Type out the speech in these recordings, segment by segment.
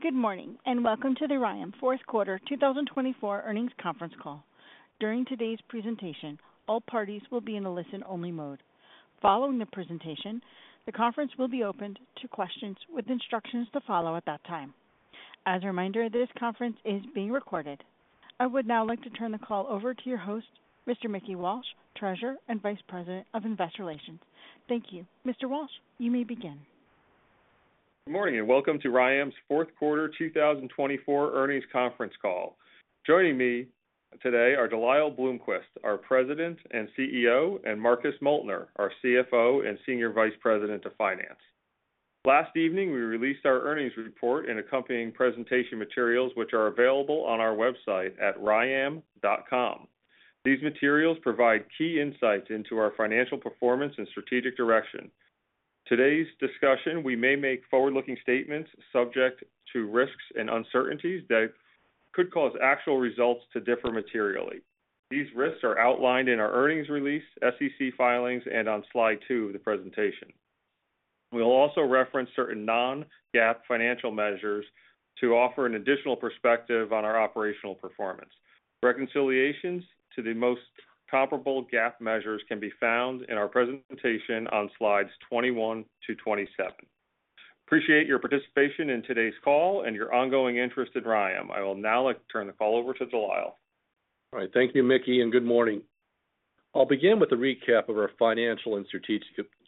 Good morning and welcome to the Rayonier Advanced Materials fourth quarter 2024 earnings conference call. During today's presentation, all parties will be in a listen-only mode. Following the presentation, the conference will be opened to questions with instructions to follow at that time. As a reminder, this conference is being recorded. I would now like to turn the call over to your host, Mr. Mickey Walsh, Treasurer and Vice President of Investor Relations. Thank you. Mr. Walsh, you may begin. Good morning and welcome to Rayonier Advanced Materials' 4th Quarter 2024 earnings conference call. Joining me today are De Lyle Bloomquist, our President and CEO, and Marcus Moeltner, our CFO and Senior Vice President of Finance. Last evening, we released our earnings report and accompanying presentation materials, which are available on our website at ryam.com. These materials provide key insights into our financial performance and strategic direction. During today's discussion, we may make forward-looking statements subject to risks and uncertainties that could cause actual results to differ materially. These risks are outlined in our earnings release, SEC filings, and on slide two of the presentation. We'll also reference certain non-GAAP financial measures to offer an additional perspective on our operational performance. Reconciliations to the most comparable GAAP measures can be found in our presentation on slides 21 to 27. Appreciate your participation in today's call and your ongoing interest in Rayonier Advanced Materials. I will now turn the call over to De Lyle. All right. Thank you, Mickey, and good morning. I'll begin with a recap of our financial and strategic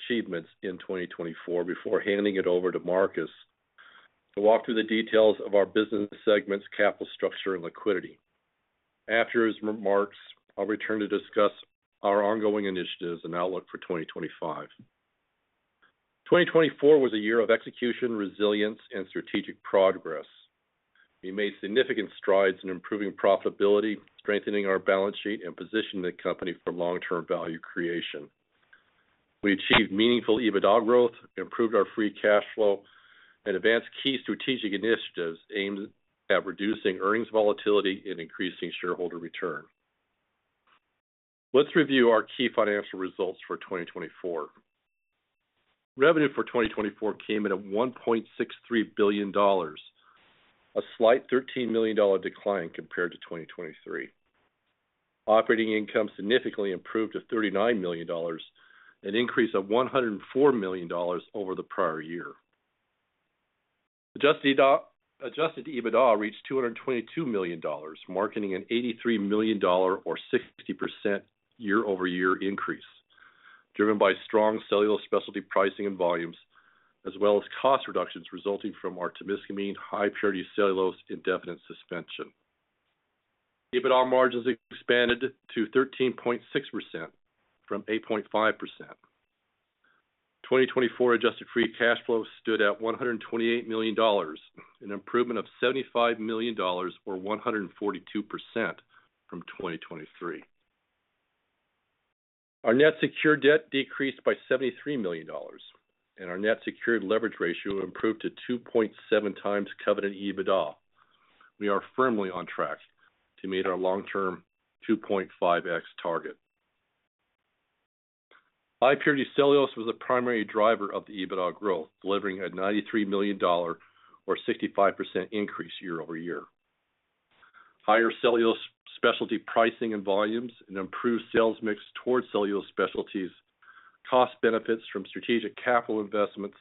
achievements in 2024 before handing it over to Marcus to walk through the details of our business segments, capital structure, and liquidity. After his remarks, I'll return to discuss our ongoing initiatives and outlook for 2025. 2024 was a year of execution, resilience, and strategic progress. We made significant strides in improving profitability, strengthening our balance sheet, and positioning the company for long-term value creation. We achieved meaningful EBITDA growth, improved our free cash flow, and advanced key strategic initiatives aimed at reducing earnings volatility and increasing shareholder return. Let's review our key financial results for 2024. Revenue for 2024 came in at $1.63 billion, a slight $13 million decline compared to 2023. Operating income significantly improved to $39 million, an increase of $104 million over the prior year. Adjusted EBITDA reached $222 million, marking an $83 million, or 60% year-over-year increase, driven by strong cellulose specialty pricing and volumes, as well as cost reductions resulting from our Temiscaming high-purity cellulose indefinite suspension. EBITDA margins expanded to 13.6% from 8.5%. 2024 adjusted free cash flow stood at $128 million, an improvement of $75 million, or 142% from 2023. Our net secured debt decreased by $73 million, and our net secured leverage ratio improved to 2.7 times covenant EBITDA. We are firmly on track to meet our long-term 2.5x target. High-purity cellulose was the primary driver of the EBITDA growth, delivering a $93 million, or 65% increase year-over-year. Higher cellulose specialty pricing and volumes, an improved sales mix toward cellulose specialties, cost benefits from strategic capital investments,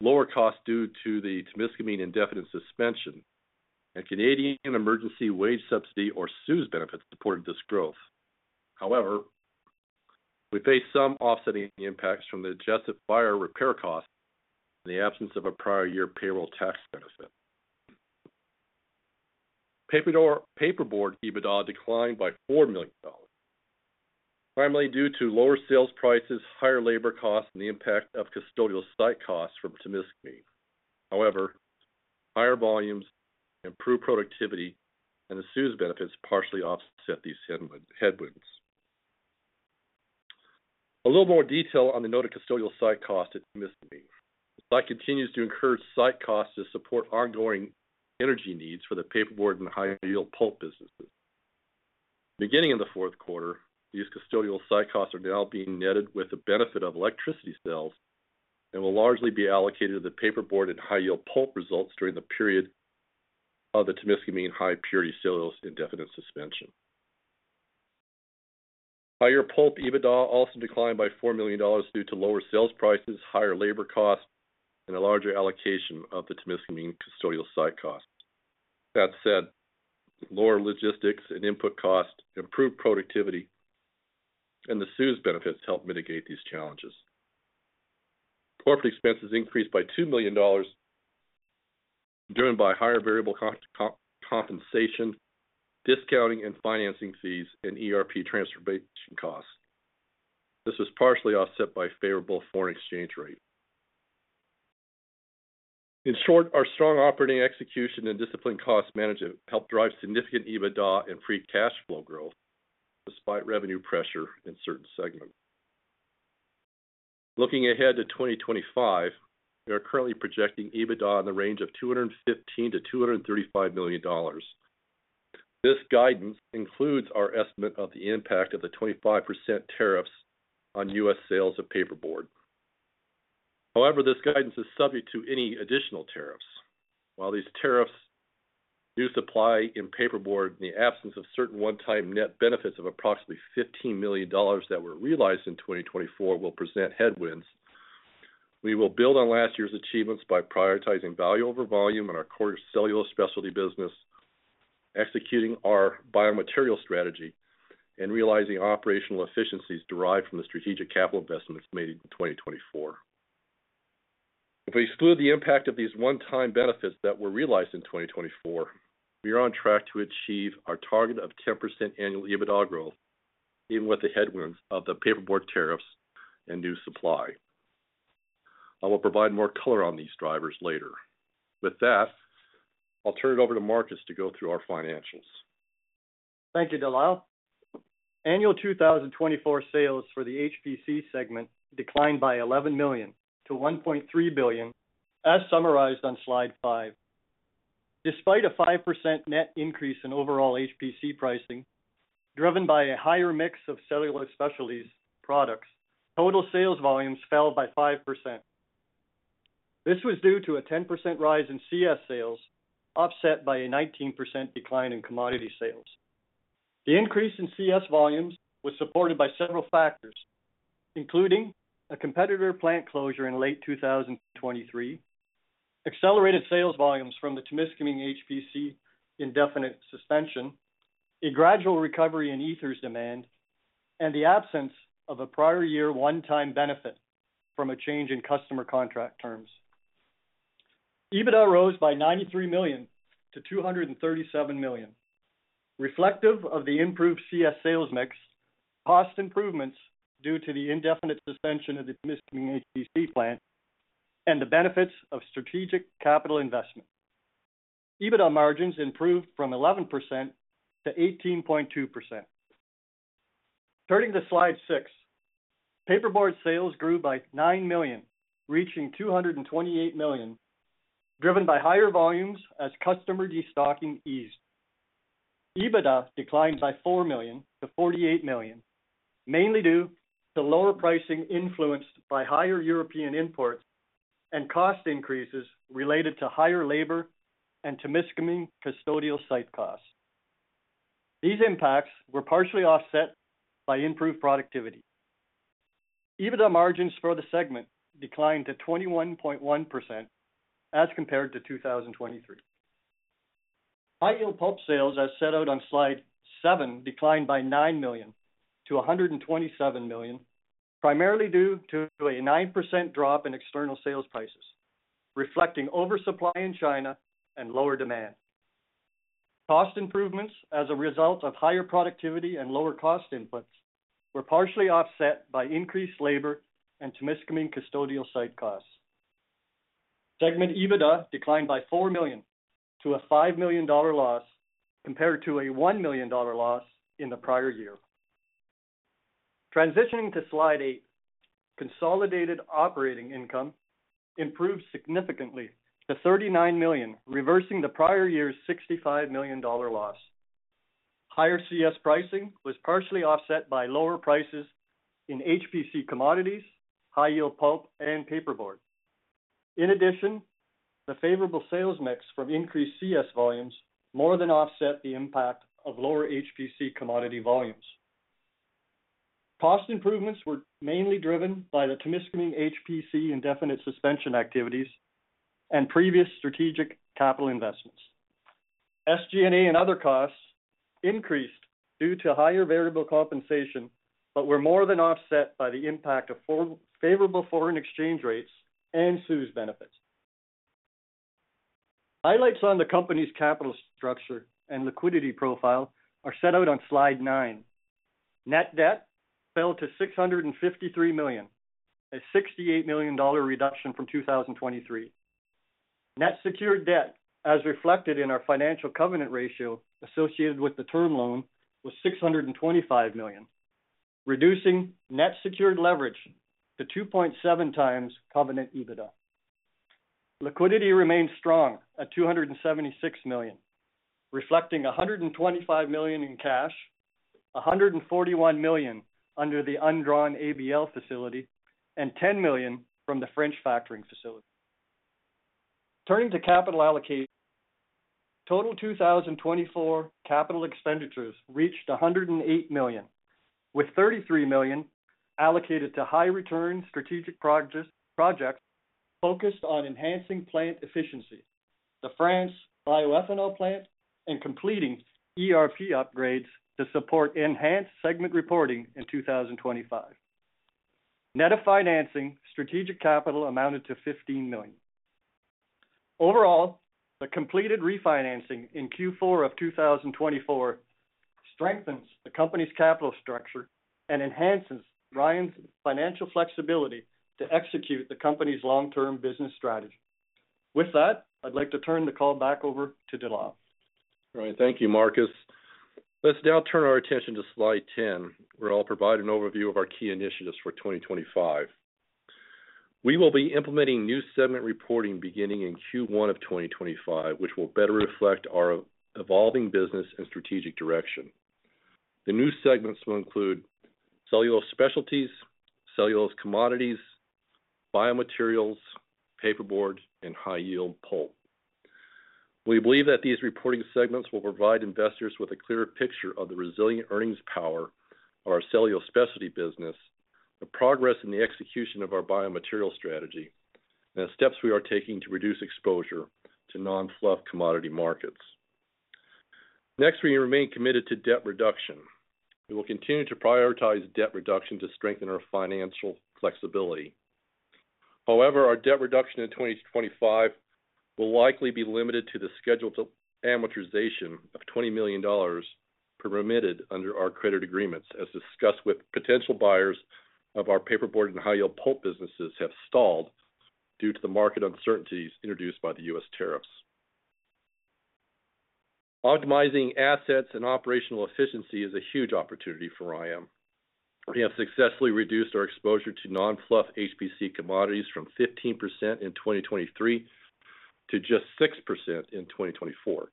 lower costs due to the Temiscaming indefinite suspension, and Canada Emergency Wage Subsidy, or CEWS benefits, supported this growth. However, we face some offsetting impacts from the adjusted fire repair costs and the absence of a prior year payroll tax benefit. Paperboard EBITDA declined by $4 million, primarily due to lower sales prices, higher labor costs, and the impact of custodial site costs from Temiscaming. However, higher volumes, improved productivity, and the CEWS benefits partially offset these headwinds. A little more detail on the noted custodial site cost at Temiscaming. The site continues to incur site costs to support ongoing energy needs for the paperboard and high-yield pulp businesses. Beginning in the fourth quarter, these custodial site costs are now being netted with the benefit of electricity sales and will largely be allocated to the paperboard and high-yield pulp results during the period of the Temiscaming high-purity cellulose indefinite suspension. Higher pulp EBITDA also declined by $4 million due to lower sales prices, higher labor costs, and a larger allocation of the Temiscaming custodial site costs. That said, lower logistics and input costs, improved productivity, and the CEWS benefits helped mitigate these challenges. Corporate expenses increased by $2 million, driven by higher variable compensation, discounting and financing fees, and ERP transformation costs. This was partially offset by favorable foreign exchange rate. In short, our strong operating execution and disciplined cost management helped drive significant EBITDA and free cash flow growth despite revenue pressure in certain segments. Looking ahead to 2025, we are currently projecting EBITDA in the range of $215million-$235 million. This guidance includes our estimate of the impact of the 25% tariffs on U.S. sales of paperboard. However, this guidance is subject to any additional tariffs. While these tariffs do supply in paperboard, in the absence of certain one-time net benefits of approximately $15 million that were realized in 2024, will present headwinds, we will build on last year's achievements by prioritizing value over volume in our core cellulose specialty business, executing our biomaterial strategy, and realizing operational efficiencies derived from the strategic capital investments made in 2024. If we exclude the impact of these one-time benefits that were realized in 2024, we are on track to achieve our target of 10% annual EBITDA growth, even with the headwinds of the paperboard tariffs and new supply. I will provide more color on these drivers later. With that, I'll turn it over to Marcus to go through our financials. Thank you, De Lyle. Annual 2024 sales for the HPC segment declined by $11 million to $1.3 billion, as summarized on slide five. Despite a 5% net increase in overall HPC pricing, driven by a higher mix of cellulose specialties products, total sales volumes fell by 5%. This was due to a 10% rise in CS sales, offset by a 19% decline in commodity sales. The increase in CS volumes was supported by several factors, including a competitor plant closure in late 2023, accelerated sales volumes from the Temiscaming HPC indefinite suspension, a gradual recovery in ether's demand, and the absence of a prior year one-time benefit from a change in customer contract terms. EBITDA rose by $93 million to $237 million, reflective of the improved CS sales mix, cost improvements due to the indefinite suspension of the Temiscaming HPC plant, and the benefits of strategic capital investment. EBITDA margins improved from 11% to 18.2%. Turning to slide six, paperboard sales grew by $9 million, reaching $228 million, driven by higher volumes as customer destocking eased. EBITDA declined by $4 million to $48 million, mainly due to lower pricing influenced by higher European imports and cost increases related to higher labor and Temiscaming custodial site costs. These impacts were partially offset by improved productivity. EBITDA margins for the segment declined to 21.1% as compared to 2023. High-yield pulp sales, as set out on slide seven, declined by $9 million to $127 million, primarily due to a 9% drop in external sales prices, reflecting oversupply in China and lower demand. Cost improvements as a result of higher productivity and lower cost inputs were partially offset by increased labor and Temiscaming custodial site costs. Segment EBITDA declined by $4 million to a $5 million loss compared to a $1 million loss in the prior year. Transitioning to slide eight, consolidated operating income improved significantly to $39 million, reversing the prior year's $65 million loss. Higher CS pricing was partially offset by lower prices in HPC commodities, high-yield pulp, and paperboard. In addition, the favorable sales mix from increased CS volumes more than offset the impact of lower HPC commodity volumes. Cost improvements were mainly driven by the Temiscaming HPC indefinite suspension activities and previous strategic capital investments. SG&A and other costs increased due to higher variable compensation, but were more than offset by the impact of favorable foreign exchange rates and CEWS benefits. Highlights on the company's capital structure and liquidity profile are set out on slide nine. Net debt fell to $653 million, a $68 million reduction from 2023. Net secured debt, as reflected in our financial covenant ratio associated with the term loan, was $625 million, reducing net secured leverage to 2.7 times covenant EBITDA. Liquidity remained strong at $276 million, reflecting $125 million in cash, $141 million under the undrawn ABL facility, and $10 million from the French factoring facility. Turning to capital allocation, total 2024 capital expenditures reached $108 million, with $33 million allocated to high-return strategic projects focused on enhancing plant efficiency, the France bioethanol plant, and completing ERP upgrades to support enhanced segment reporting in 2025. Net of financing, strategic capital amounted to $15 million. Overall, the completed refinancing in Q4 of 2024 strengthens the company's capital structure and enhances Rayonier Advanced Materials' financial flexibility to execute the company's long-term business strategy. With that, I'd like to turn the call back over to De Lyle. All right. Thank you, Marcus. Let's now turn our attention to slide ten. We're all providing an overview of our key initiatives for 2025. We will be implementing new segment reporting beginning in Q1 of 2025, which will better reflect our evolving business and strategic direction. The new segments will include cellulose specialties, cellulose commodities, biomaterials, paperboard, and high-yield pulp. We believe that these reporting segments will provide investors with a clearer picture of the resilient earnings power of our cellulose specialty business, the progress in the execution of our biomaterial strategy, and the steps we are taking to reduce exposure to non-fluff commodity markets. Next, we remain committed to debt reduction. We will continue to prioritize debt reduction to strengthen our financial flexibility. However, our debt reduction in 2025 will likely be limited to the scheduled amortization of $20 million permitted under our credit agreements, as discussed with potential buyers of our paperboard and high-yield pulp businesses have stalled due to the market uncertainties introduced by the U.S. tariffs. Optimizing assets and operational efficiency is a huge opportunity for Rayonier Advanced Materials. We have successfully reduced our exposure to non-fluff HPC commodities from 15% in 2023 to just 6% in 2024.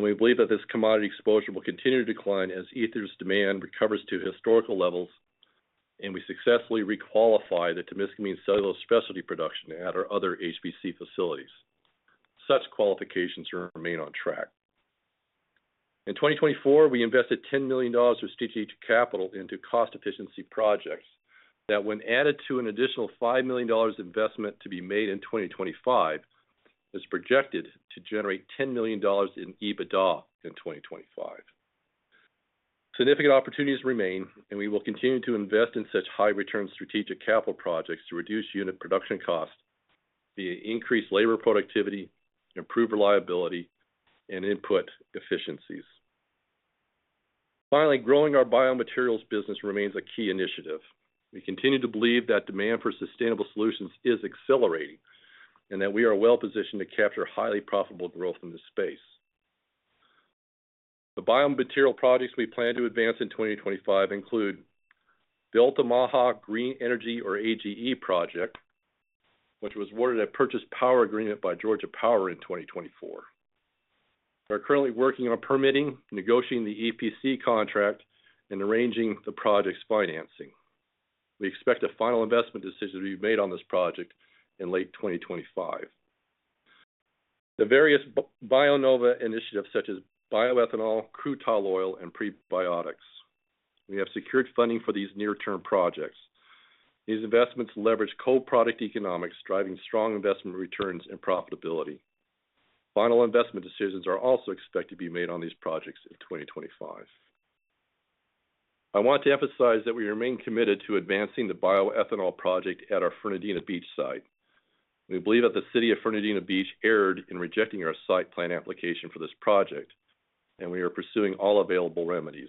We believe that this commodity exposure will continue to decline as ethers demand recovers to historical levels and we successfully requalify the Temiscaming cellulose specialties production at our other HPC facilities. Such qualifications remain on track. In 2024, we invested $10 million of strategic capital into cost efficiency projects that, when added to an additional $5 million investment to be made in 2025, is projected to generate $10 million in EBITDA in 2025. Significant opportunities remain, and we will continue to invest in such high-return strategic capital projects to reduce unit production costs via increased labor productivity, improved reliability, and input efficiencies. Finally, growing our biomaterials business remains a key initiative. We continue to believe that demand for sustainable solutions is accelerating and that we are well positioned to capture highly profitable growth in this space. The biomaterial projects we plan to advance in 2025 include the Altamaha Green Energy, or AGE, project, which was awarded a purchase power agreement by Georgia Power in 2024. We are currently working on permitting, negotiating the EPC contract, and arranging the project's financing. We expect a final investment decision to be made on this project in late 2025. The various BioNova initiatives, such as bioethanol, crude tall oil, and prebiotics, we have secured funding for these near-term projects. These investments leverage cold product economics, driving strong investment returns and profitability. Final investment decisions are also expected to be made on these projects in 2025. I want to emphasize that we remain committed to advancing the bioethanol project at our Fernandina Beach site. We believe that the City of [Fernandina] Beach erred in rejecting our site plan application for this project, and we are pursuing all available remedies.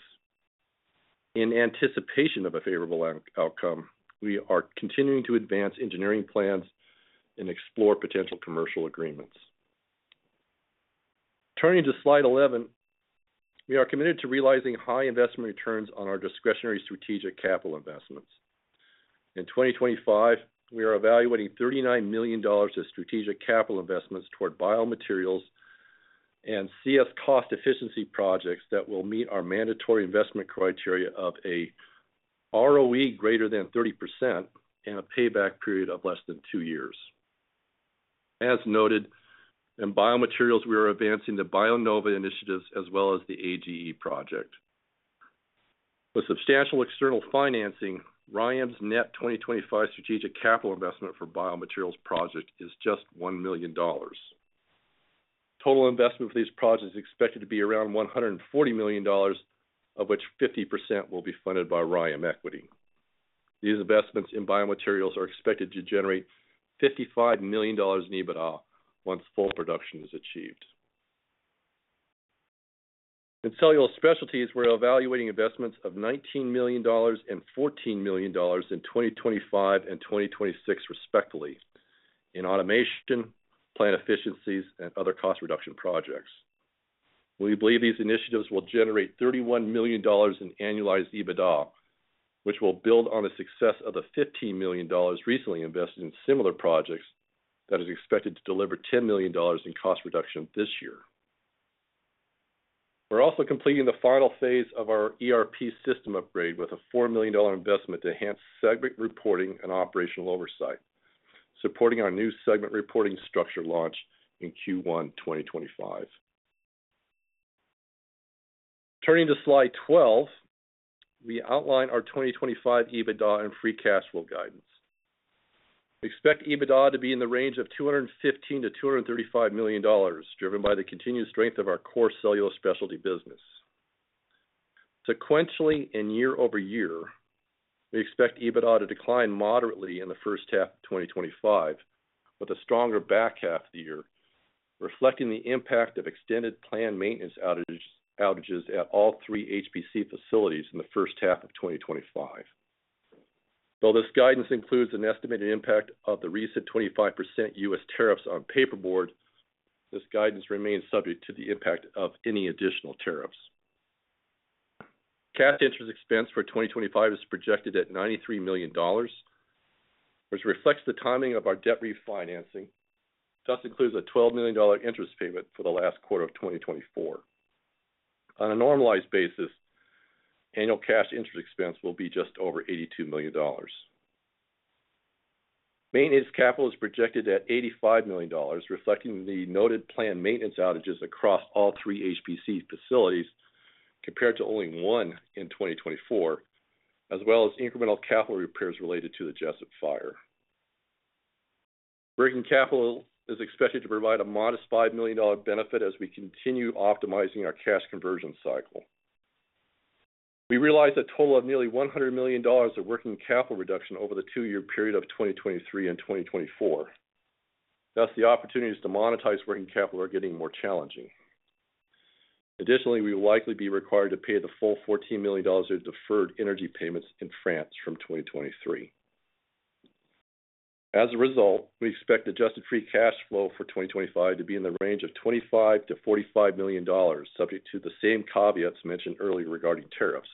In anticipation of a favorable outcome, we are continuing to advance engineering plans and explore potential commercial agreements. Turning to slide 11, we are committed to realizing high investment returns on our discretionary strategic capital investments. In 2025, we are evaluating $39 million of strategic capital investments toward biomaterials and CS cost efficiency projects that will meet our mandatory investment criteria of an ROE greater than 30% and a payback period of less than two years. As noted, in biomaterials, we are advancing the BioNova initiatives as well as the AGE project. With substantial external financing, RYAM's net 2025 strategic capital investment for biomaterials project is just $1 million. Total investment for these projects is expected to be around $140 million, of which 50% will be funded by RYAM equity. These investments in biomaterials are expected to generate $55 million in EBITDA once full production is achieved. In cellulose specialties, we're evaluating investments of $19 million and $14 million in 2025 and 2026, respectively, in automation, plant efficiencies, and other cost reduction projects. We believe these initiatives will generate $31 million in annualized EBITDA, which will build on the success of the $15 million recently invested in similar projects that is expected to deliver $10 million in cost reduction this year. We're also completing the final phase of our ERP system upgrade with a $4 million investment to enhance segment reporting and operational oversight, supporting our new segment reporting structure launch in Q1 2025. Turning to slide 12, we outline our 2025 EBITDA and free cash flow guidance. We expect EBITDA to be in the range of $215million-$235 million, driven by the continued strength of our core cellulose specialty business. Sequentially, and year over year, we expect EBITDA to decline moderately in the first half of 2025, with a stronger back half of the year, reflecting the impact of extended planned maintenance outages at all three HPC facilities in the first half of 2025. Though this guidance includes an estimated impact of the recent 25% U.S. tariffs on paperboard, this guidance remains subject to the impact of any additional tariffs. Cash interest expense for 2025 is projected at $93 million, which reflects the timing of our debt refinancing. This includes a $12 million interest payment for the last quarter of 2024. On a normalized basis, annual cash interest expense will be just over $82 million. Maintenance capital is projected at $85 million, reflecting the noted planned maintenance outages across all three HPC facilities compared to only one in 2024, as well as incremental capital repairs related to the Jesup fire. Working capital is expected to provide a modest $5 million benefit as we continue optimizing our cash conversion cycle. We realize a total of nearly $100 million of working capital reduction over the two-year period of 2023 and 2024. Thus, the opportunities to monetize working capital are getting more challenging. Additionally, we will likely be required to pay the full $14 million of deferred energy payments in France from 2023. As a result, we expect adjusted free cash flow for 2025 to be in the range of $25million-$45 million, subject to the same caveats mentioned earlier regarding tariffs.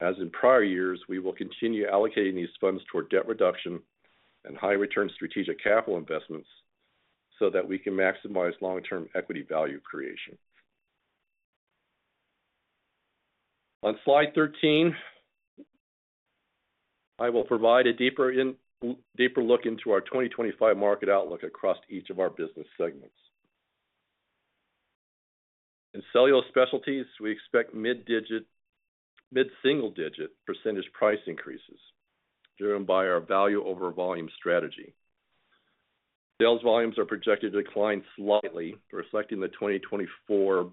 As in prior years, we will continue allocating these funds toward debt reduction and high-return strategic capital investments so that we can maximize long-term equity value creation. On slide 13, I will provide a deeper look into our 2025 market outlook across each of our business segments. In cellulose specialties, we expect mid-single-digit percentage price increases driven by our value over volume strategy. Sales volumes are projected to decline slightly, reflecting the 2024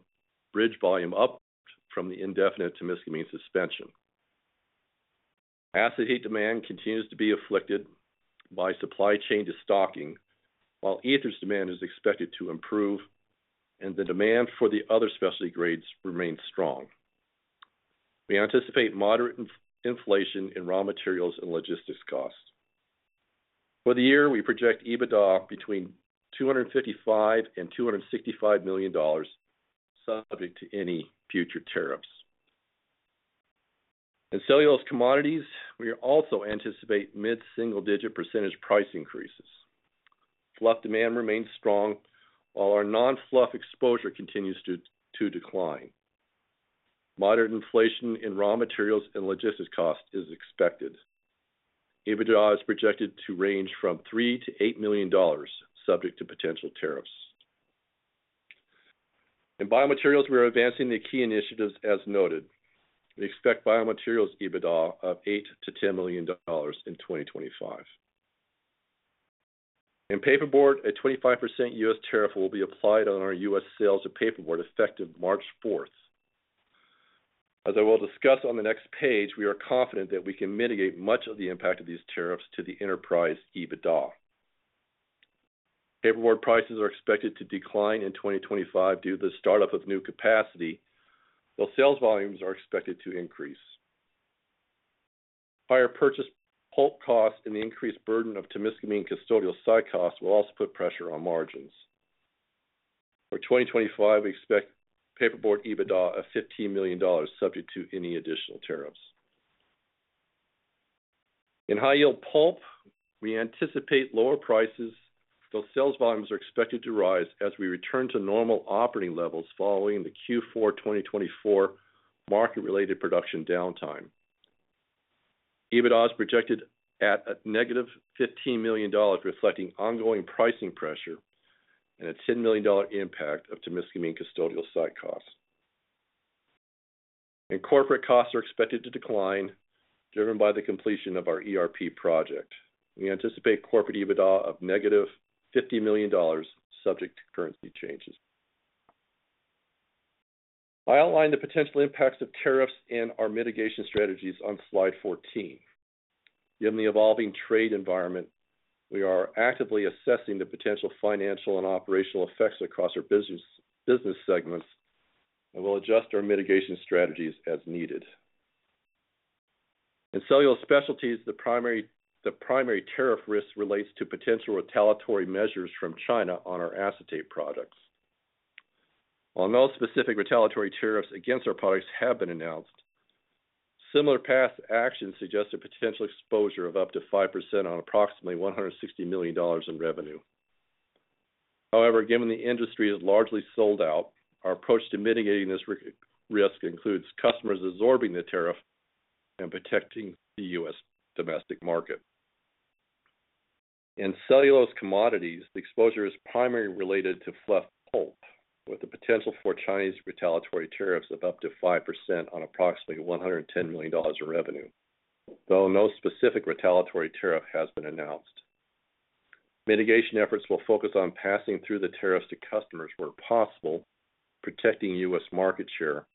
bridge volume up from the indefinite Temiscaming suspension. Acetate demand continues to be afflicted by supply chain destocking, while ethers demand is expected to improve, and the demand for the other specialty grades remains strong. We anticipate moderate inflation in raw materials and logistics costs. For the year, we project EBITDA between $255-$265 million, subject to any future tariffs. In cellulose commodities, we also anticipate mid-single-digit % price increases. Fluff demand remains strong, while our non-fluff exposure continues to decline. Moderate inflation in raw materials and logistics costs is expected. EBITDA is projected to range from $3-$8 million, subject to potential tariffs. In biomaterials, we are advancing the key initiatives as noted. We expect biomaterials EBITDA of $8millon-$10 million in 2025. In paperboard, a 25% U.S. tariff will be applied on our U.S. sales of paperboard effective March 4th. As I will discuss on the next page, we are confident that we can mitigate much of the impact of these tariffs to the enterprise EBITDA. Paperboard prices are expected to decline in 2025 due to the startup of new capacity, though sales volumes are expected to increase. Higher purchase pulp costs and the increased burden of Temiscaming custodial site costs will also put pressure on margins. For 2025, we expect paperboard EBITDA of $15 million, subject to any additional tariffs. In high-yield pulp, we anticipate lower prices, though sales volumes are expected to rise as we return to normal operating levels following the Q4 2024 market-related production downtime. EBITDA is projected at a negative $15 million, reflecting ongoing pricing pressure and a $10 million impact of Temiscaming custodial site costs. In corporate costs, we are expected to decline, driven by the completion of our ERP project. We anticipate corporate EBITDA of $-50 million, subject to currency changes. I outline the potential impacts of tariffs and our mitigation strategies on slide 14. Given the evolving trade environment, we are actively assessing the potential financial and operational effects across our business segments, and we'll adjust our mitigation strategies as needed. In cellulose specialties, the primary tariff risk relates to potential retaliatory measures from China on our acetate products. While no specific retaliatory tariffs against our products have been announced, similar past actions suggest a potential exposure of up to 5% on approximately $160 million in revenue. However, given the industry is largely sold out, our approach to mitigating this risk includes customers absorbing the tariff and protecting the U.S. domestic market. In cellulose commodities, the exposure is primarily related to fluff pulp, with the potential for Chinese retaliatory tariffs of up to 5% on approximately $110 million in revenue, though no specific retaliatory tariff has been announced. Mitigation efforts will focus on passing through the tariffs to customers where possible, protecting U.S. market share,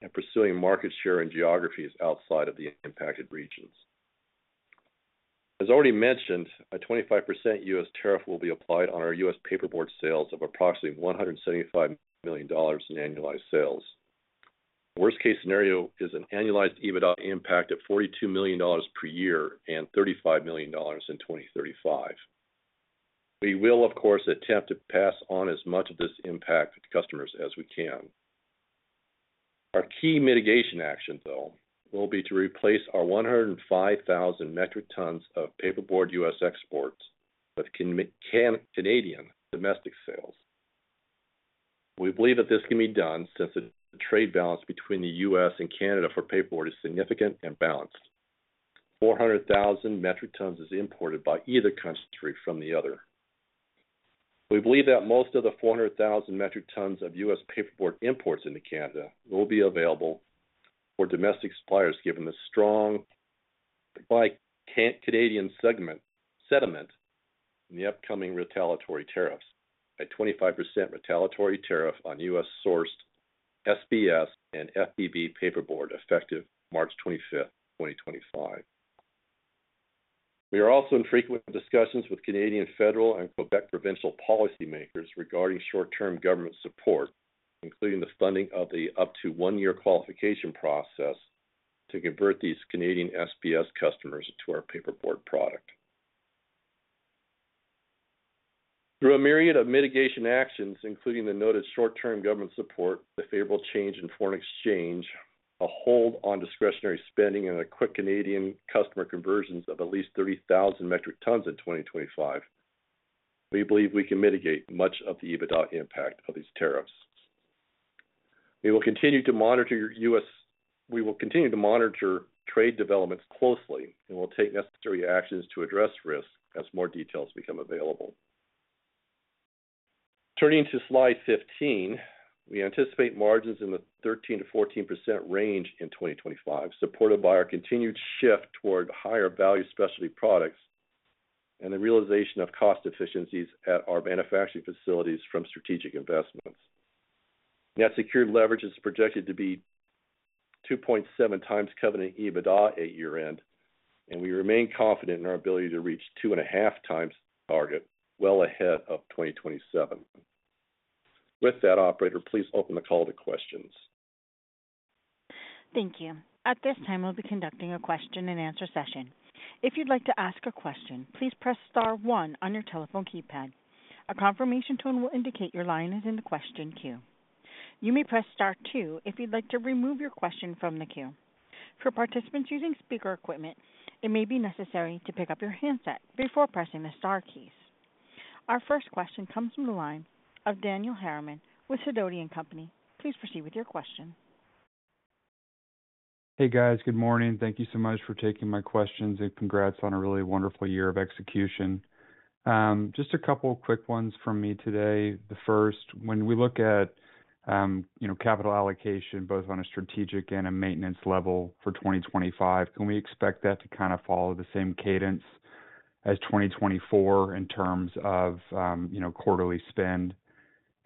and pursuing market share in geographies outside of the impacted regions. As already mentioned, a 25% U.S. tariff will be applied on our U.S. paperboard sales of approximately $175 million in annualized sales. Worst-case scenario is an annualized EBITDA impact of $42 million per year and $35 million in 2035. We will, of course, attempt to pass on as much of this impact to customers as we can. Our key mitigation action, though, will be to replace our 105,000 metric tons of paperboard U.S. exports with Canadian domestic sales. We believe that this can be done since the trade balance between the U.S. and Canada for paperboard is significant and balanced. 400,000 metric tons is imported by either country from the other. We believe that most of the 400,000 metric tons of U.S. Paperboard imports into Canada will be available for domestic suppliers, given the strong Canadian segment sentiment in the upcoming retaliatory tariffs, a 25% retaliatory tariff on U.S.-sourced SBS and FBB paperboard effective March 25, 2025. We are also in frequent discussions with Canadian federal and Quebec provincial policymakers regarding short-term government support, including the funding of the up to one-year qualification process to convert these Canadian SBS customers to our paperboard product. Through a myriad of mitigation actions, including the noted short-term government support, the favorable change in foreign exchange, a hold on discretionary spending, and the quick Canadian customer conversions of at least 30,000 metric tons in 2025, we believe we can mitigate much of the EBITDA impact of these tariffs. We will continue to monitor U.S. We will continue to monitor trade developments closely and will take necessary actions to address risk as more details become available. Turning to slide 15, we anticipate margins in the 13%-14% range in 2025, supported by our continued shift toward higher value specialty products and the realization of cost efficiencies at our manufacturing facilities from strategic investments. Net secured leverage is projected to be 2.7 times Covenant EBITDA at year-end, and we remain confident in our ability to reach two and a half times target, well ahead of 2027. With that, Operator, please open the call to questions. Thank you. At this time, we'll be conducting a question-and-answer session. If you'd like to ask a question, please press star one on your telephone keypad. A confirmation tone will indicate your line is in the question queue. You may press star two if you'd like to remove your question from the queue. For participants using speaker equipment, it may be necessary to pick up your handset before pressing the Star keys. Our first question comes from the line of Daniel Harriman with Sidoti & Company. Please proceed with your question. Hey, guys. Good morning. Thank you so much for taking my questions and congrats on a really wonderful year of execution. Just a couple of quick ones from me today. The first, when we look at capital allocation, both on a strategic and a maintenance level for 2025, can we expect that to kind of follow the same cadence as 2024 in terms of quarterly spend?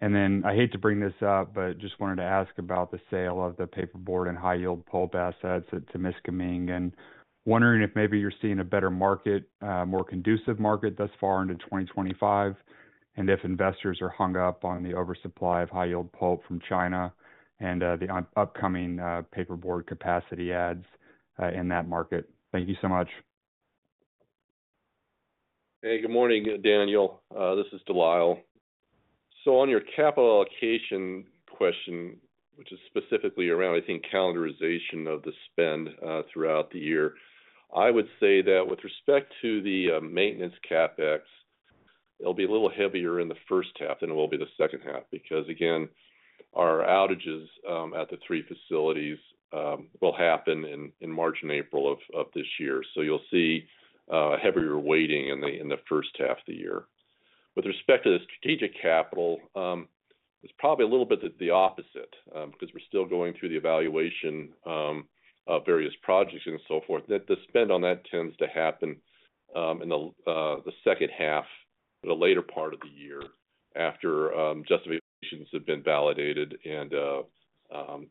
I hate to bring this up, but just wanted to ask about the sale of the paperboard and high-yield pulp assets at Temiscaming and wondering if maybe you're seeing a better market, more conducive market thus far into 2025, and if investors are hung up on the oversupply of high-yield pulp from China and the upcoming paperboard capacity adds in that market. Thank you so much. Good morning, Daniel. This is De Lyle. On your capital allocation question, which is specifically around, I think, calendarization of the spend throughout the year, I would say that with respect to the maintenance CapEx, it'll be a little heavier in the first half than it will be the second half because, again, our outages at the three facilities will happen in March and April of this year. You'll see a heavier weighting in the first half of the year. With respect to the strategic capital, it's probably a little bit the opposite because we're still going through the evaluation of various projects and so forth. The spend on that tends to happen in the second half, the later part of the year, after justifications have been validated and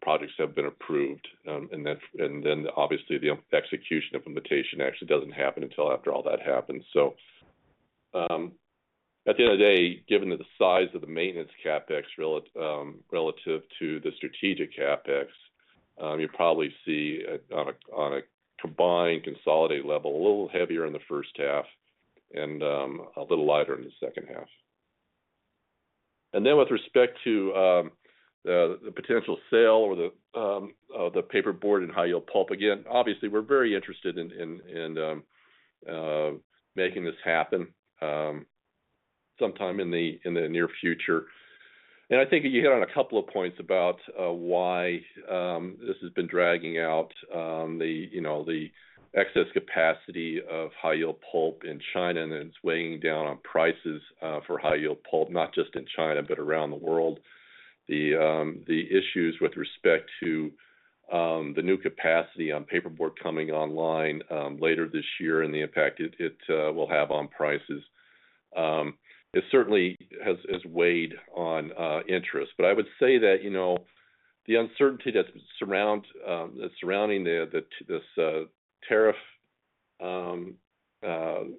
projects have been approved. Obviously, the execution implementation actually doesn't happen until after all that happens. At the end of the day, given the size of the maintenance CapEx relative to the strategic CapEx, you'll probably see on a combined consolidated level a little heavier in the first half and a little lighter in the second half. With respect to the potential sale of the paperboard and high-yield pulp, again, obviously, we're very interested in making this happen sometime in the near future. I think you hit on a couple of points about why this has been dragging out, the excess capacity of high-yield pulp in China, and then it is weighing down on prices for high-yield pulp, not just in China, but around the world. The issues with respect to the new capacity on paperboard coming online later this year and the impact it will have on prices certainly has weighed on interest. I would say that the uncertainty that is surrounding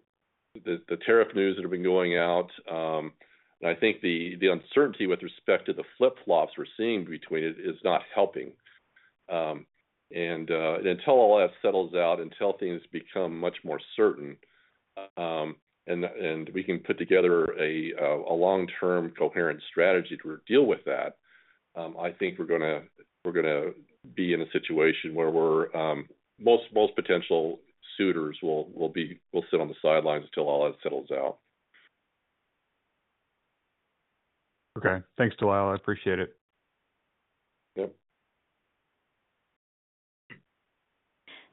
this tariff, the tariff news that have been going out, and I think the uncertainty with respect to the flip-flops we are seeing between it is not helping. Until all that settles out, until things become much more certain, and we can put together a long-term coherent strategy to deal with that, I think we're going to be in a situation where most potential suitors will sit on the sidelines until all that settles out. Okay. Thanks, De Lyle. I appreciate it. Yep.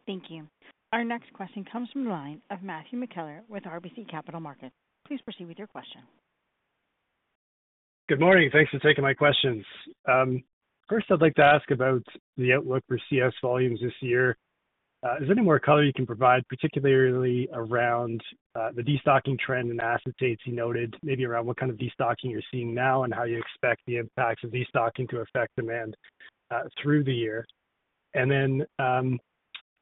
Thank you. Our next question comes from the line of Matt McKellar with RBC Capital Markets. Please proceed with your question. Good morning. Thanks for taking my questions. First, I'd like to ask about the outlook for CS volumes this year. Is there any more color you can provide, particularly around the destocking trend in acetates you noted, maybe around what kind of destocking you're seeing now and how you expect the impacts of destocking to affect demand through the year?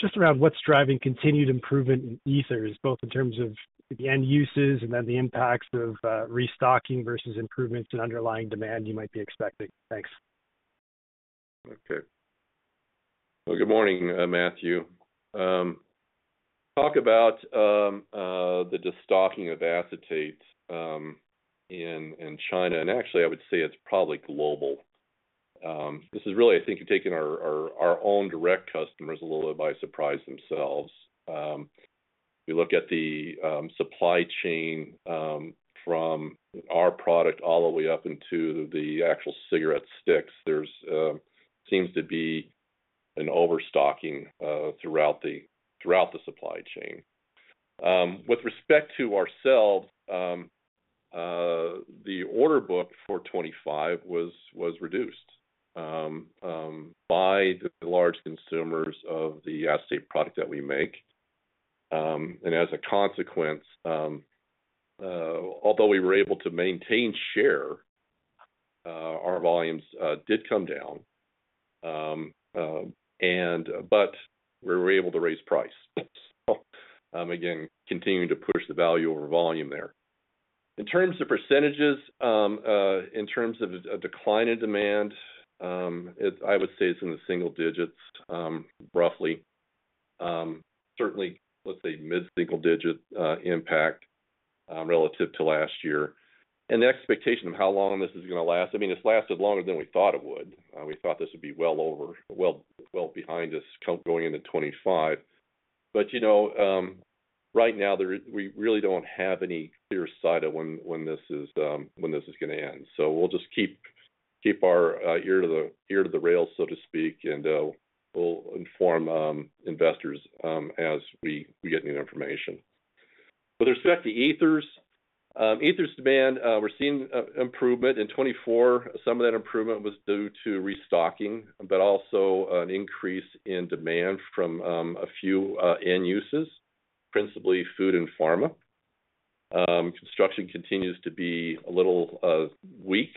Just around what's driving continued improvement in ethers, both in terms of the end uses and then the impacts of restocking versus improvements in underlying demand you might be expecting. Thanks. Good morning, Matthew. Talk about the destocking of acetates in China. Actually, I would say it's probably global. This is really, I think, taking our own direct customers a little bit by surprise themselves. You look at the supply chain from our product all the way up into the actual cigarette sticks, there seems to be an overstocking throughout the supply chain. With respect to ourselves, the order book for 2025 was reduced by the large consumers of the acetate product that we make. As a consequence, although we were able to maintain share, our volumes did come down, but we were able to raise price. Again, continuing to push the value over volume there. In terms of percentages, in terms of a decline in demand, I would say it's in the single digits, roughly. Certainly, let's say mid-single digit impact relative to last year. The expectation of how long this is going to last, I mean, it's lasted longer than we thought it would. We thought this would be well behind us going into 2025. Right now, we really don't have any clear sight of when this is going to end. We'll just keep our ear to the rails, so to speak, and we'll inform investors as we get new information. With respect to ethers, ethers demand, we're seeing improvement. In 2024, some of that improvement was due to restocking, but also an increase in demand from a few end uses, principally food and pharma. Construction continues to be a little weak.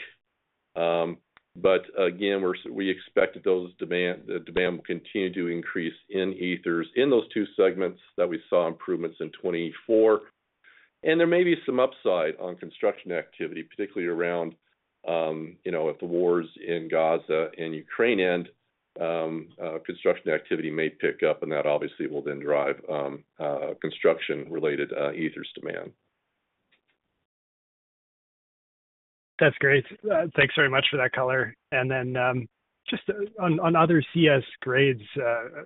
Again, we expect that those demand will continue to increase in ethers in those two segments that we saw improvements in 2024. There may be some upside on construction activity, particularly around if the wars in Gaza and Ukraine end, construction activity may pick up, and that obviously will then drive construction-related ethers demand. That's great. Thanks very much for that color. Just on other CS grades,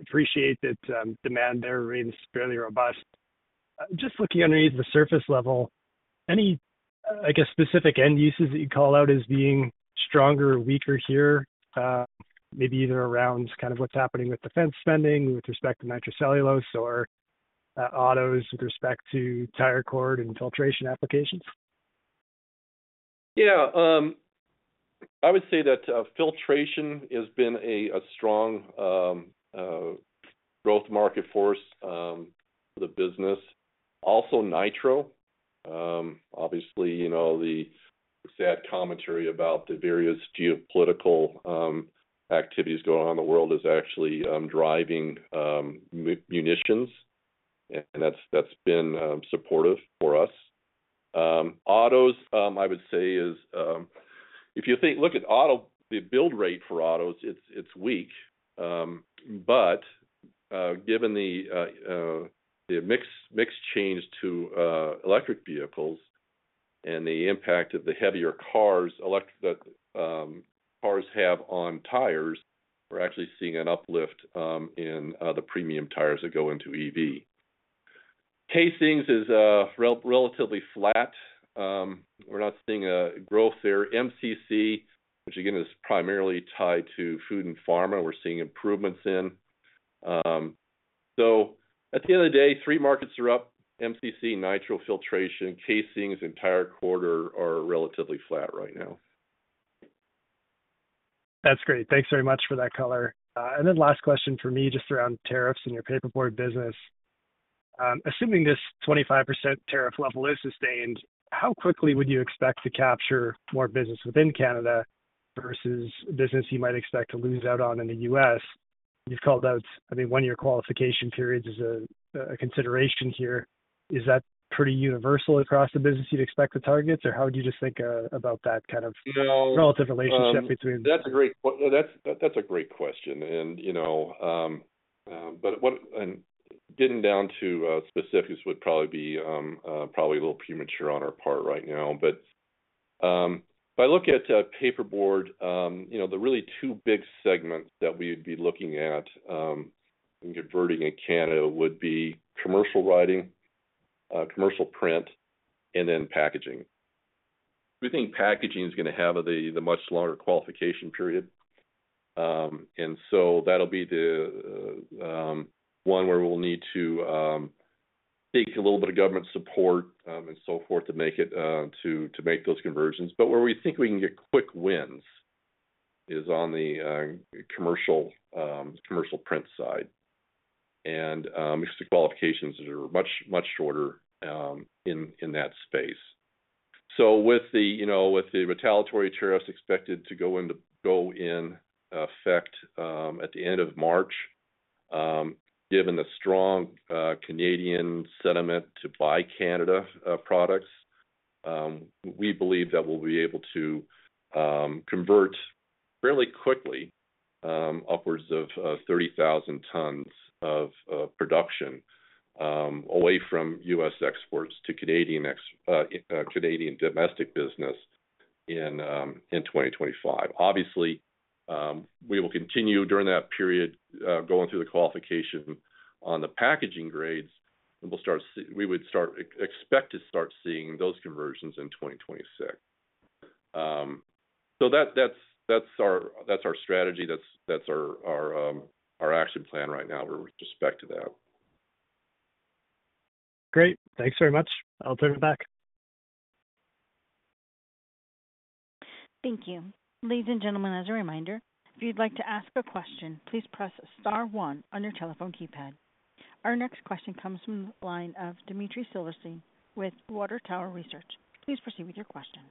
appreciate that demand there remains fairly robust. Just looking underneath the surface level, any, I guess, specific end uses that you call out as being stronger or weaker here, maybe either around kind of what's happening with defense spending with respect to nitrocellulose or autos with respect to tire cord and filtration applications? Yeah. I would say that filtration has been a strong growth market force for the business. Also, nitro. Obviously, the sad commentary about the various geopolitical activities going on in the world is actually driving munitions, and that's been supportive for us. Autos, I would say, if you look at the build rate for autos, it's weak. Given the mixed change to electric vehicles and the impact of the heavier cars cars have on tires, we're actually seeing an uplift in the premium tires that go into EV. Casings is relatively flat. We're not seeing a growth there. MCC, which again is primarily tied to food and pharma, we're seeing improvements in. At the end of the day, three markets are up: MCC, nitro, filtration, casings, and tire cord are relatively flat right now. That's great. Thanks very much for that color. Last question for me just around tariffs in your paperboard business. Assuming this 25% tariff level is sustained, how quickly would you expect to capture more business within Canada versus business you might expect to lose out on in the U.S.? You've called out, I mean, one-year qualification periods as a consideration here. Is that pretty universal across the business you'd expect to target, or how would you just think about that kind of relative relationship between? That's a great question. Getting down to specifics would probably be a little premature on our part right now. If I look at paperboard, the really two big segments that we'd be looking at in converting in Canada would be commercial writing, commercial print, and then packaging. We think packaging is going to have the much longer qualification period. That will be the one where we'll need to take a little bit of government support and so forth to make those conversions. Where we think we can get quick wins is on the commercial print side. The qualifications are much, much shorter in that space. With the retaliatory tariffs expected to go into effect at the end of March, given the strong Canadian sentiment to buy Canada products, we believe that we'll be able to convert fairly quickly upwards of 30,000 tons of production away from U.S. exports to Canadian domestic business in 2025. Obviously, we will continue during that period going through the qualification on the packaging grades, and we would expect to start seeing those conversions in 2026. That is our strategy. That is our action plan right now with respect to that. Great. Thanks very much. I'll turn it back. Thank you. Ladies and gentlemen, as a reminder, if you'd like to ask a question, please press star one on your telephone keypad. Our next question comes from the line of Dmetri Silverstein with Water Tower Research. Please proceed with your question.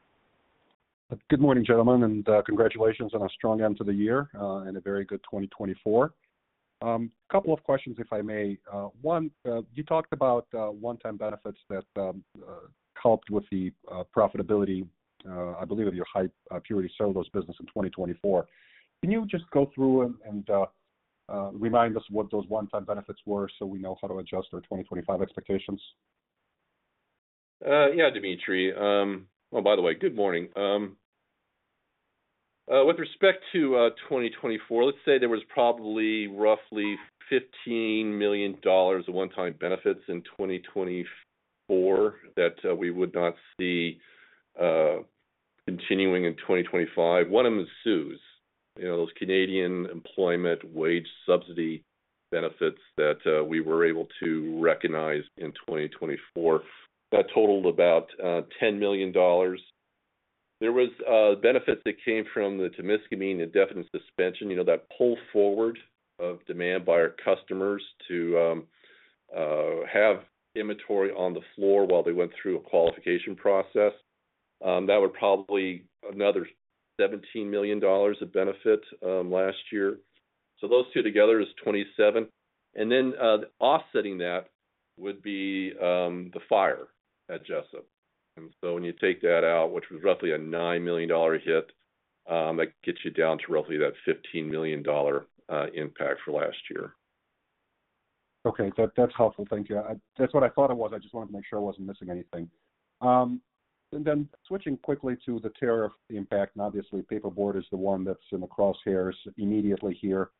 Good morning, gentlemen, and congratulations on a strong end to the year and a very good 2024. A couple of questions, if I may. One, you talked about one-time benefits that helped with the profitability, I believe, of your high-purity cellulose business in 2024. Can you just go through and remind us what those one-time benefits were so we know how to adjust our 2025 expectations? Yeah, Demetri. Oh, by the way, good morning. With respect to 2024, let's say there was probably roughly $15 million of one-time benefits in 2024 that we would not see continuing in 2025. One of them is CEWS, those Canadian Emergency Wage Subsidy benefits that we were able to recognize in 2024. That totaled about $10 million. There were benefits that came from the Temiscaming and indefinite suspension, that pull forward of demand by our customers to have inventory on the floor while they went through a qualification process. That would probably be another $17 million of benefit last year. Those two together is $27 million. Offsetting that would be the fire at Jesup. When you take that out, which was roughly a $9 million hit, that gets you down to roughly that $15 million impact for last year. Okay. That's helpful. Thank you. That's what I thought it was. I just wanted to make sure I wasn't missing anything. Switching quickly to the tariff impact, and obviously, paperboard is the one that's in the crosshairs immediately here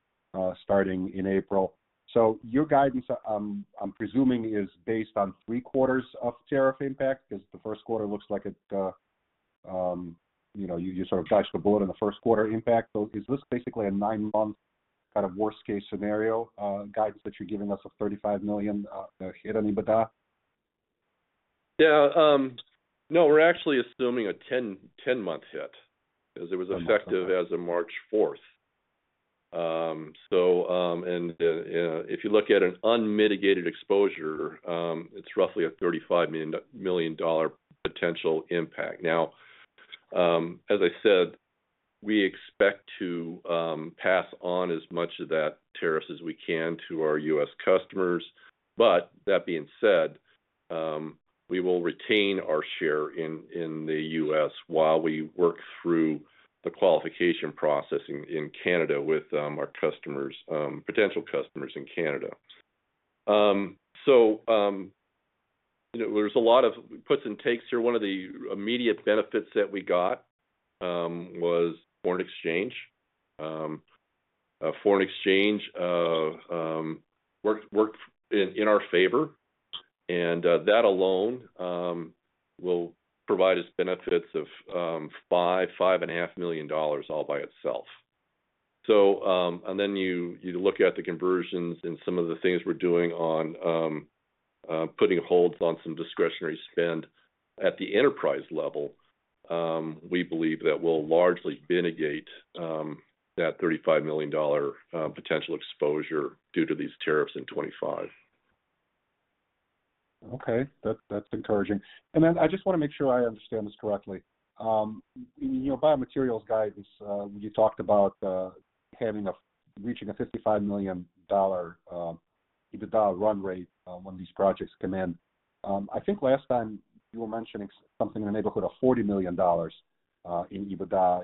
starting in April. Your guidance, I'm presuming, is based on three quarters of tariff impact because the first quarter looks like you sort of dodged the bullet in the first quarter impact. Is this basically a nine-month kind of worst-case scenario guidance that you're giving us of $35 million hit, anybody? Yeah. No, we're actually assuming a 10-month hit because it was effective as of March 4. If you look at an unmitigated exposure, it's roughly a $35 million potential impact. Now, as I said, we expect to pass on as much of that tariff as we can to our U.S. customers. That being said, we will retain our share in the U.S. while we work through the qualification process in Canada with our potential customers in Canada. There is a lot of puts and takes here. One of the immediate benefits that we got was foreign exchange. Foreign exchange worked in our favor. That alone will provide us benefits of $5million-$5.5 million all by itself. You look at the conversions and some of the things we are doing on putting holds on some discretionary spend at the enterprise level, we believe that will largely mitigate that $35 million potential exposure due to these tariffs in 2025. Okay. That is encouraging. I just want to make sure I understand this correctly. In your biomaterials guidance, you talked about reaching a $55 million EBITDA run rate when these projects come in. I think last time you were mentioning something in the neighborhood of $40 million in EBITDA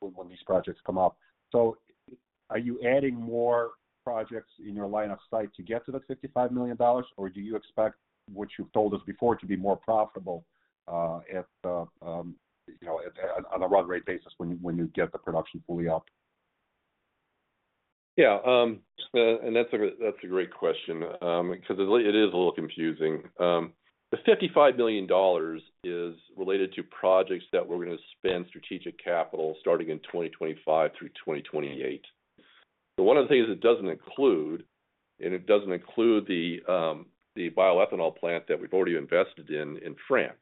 when these projects come up. Are you adding more projects in your line of sight to get to that $55 million, or do you expect what you've told us before to be more profitable on a run rate basis when you get the production fully up? Yeah, that's a great question because it is a little confusing. The $55 million is related to projects that we're going to spend strategic capital starting in 2025 through 2028. One of the things it does not include, it does not include the bioethanol plant that we've already invested in in France.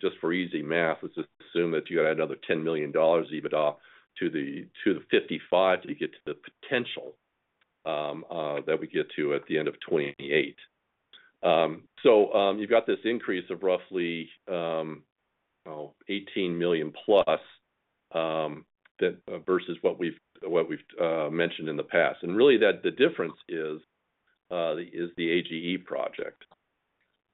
Just for easy math, let's assume that you add another $10 million EBITDA to the $55 to get to the potential that we get to at the end of 2028. You've got this increase of roughly $+18 million versus what we've mentioned in the past. Really, the difference is the AGE project.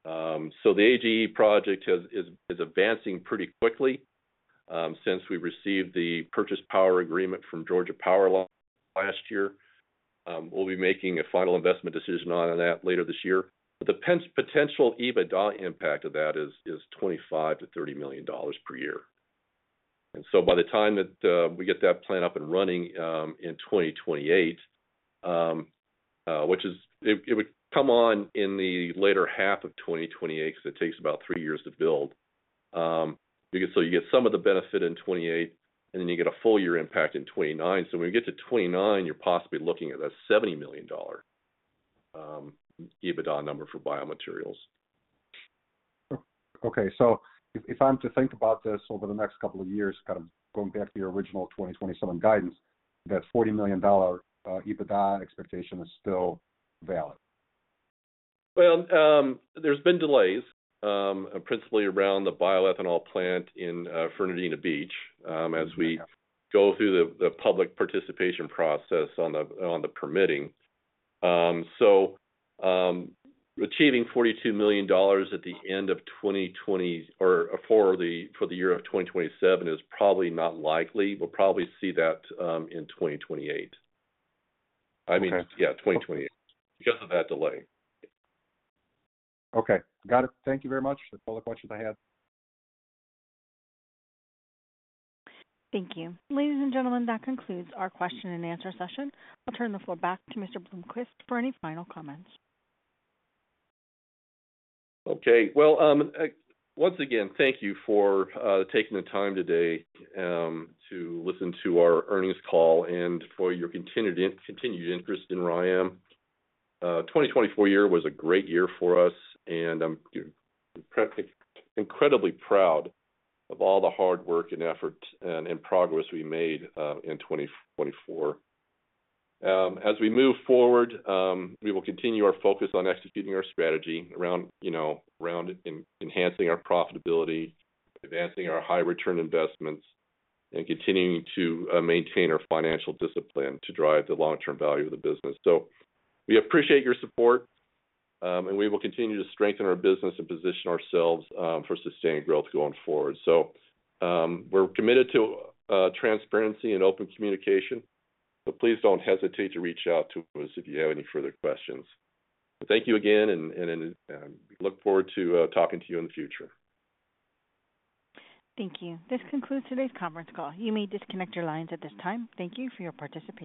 The AGE project is advancing pretty quickly since we received the purchase power agreement from Georgia Power last year. We'll be making a final investment decision on that later this year. The potential EBITDA impact of that is $25million-$30 million per year. By the time that we get that plant up and running in 2028, it would come on in the later half of 2028 because it takes about three years to build. You get some of the benefit in 2028, and then you get a full year impact in 2029. When you get to 2029, you're possibly looking at a $70 million EBITDA number for biomaterials. Okay. If I'm to think about this over the next couple of years, kind of going back to your original 2027 guidance, that $40 million EBITDA expectation is still valid? There's been delays, principally around the bioethanol plant in Fernandina Beach as we go through the public participation process on the permitting. Achieving $42 million at the end of 2027 or for the year of 2027 is probably not likely. We'll probably see that in 2028. I mean, 2028 because of that delay. Got it. Thank you very much for all the questions I had. Thank you. Ladies and gentlemen, that concludes our question and answer session. I'll turn the floor back to Mr. Bloomquist for any final comments. Once again, thank you for taking the time today to listen to our earnings call and for your continued interest in Rayonier Advanced Materials. The 2024 year was a great year for us, and I'm incredibly proud of all the hard work and efforts and progress we made in 2024. As we move forward, we will continue our focus on executing our strategy around enhancing our profitability, advancing our high-return investments, and continuing to maintain our financial discipline to drive the long-term value of the business. We appreciate your support, and we will continue to strengthen our business and position ourselves for sustained growth going forward. We're committed to transparency and open communication, but please don't hesitate to reach out to us if you have any further questions. Thank you again, and we look forward to talking to you in the future. Thank you. This concludes today's conference call. You may disconnect your lines at this time. Thank you for your participation.